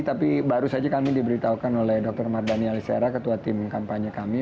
tapi baru saja kami diberitahukan oleh dr mardhani alisera ketua tim kampanye kami